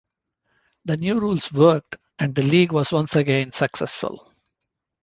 The new rules worked, and the league was once again successful.